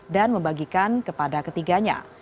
dan membagikan kepada ketiganya